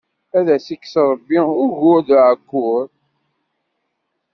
Ad ak-ikkes Ṛebbi ugur d uɛekkur!